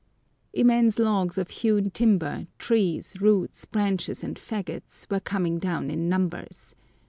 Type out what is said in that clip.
Immense logs of hewn timber, trees, roots, branches, and faggots, were coming down in numbers.